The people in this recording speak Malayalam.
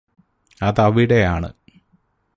അതവിടെയാണ്